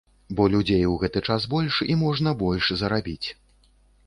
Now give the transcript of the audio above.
Бо людзей у гэты час больш, і можна больш зарабіць.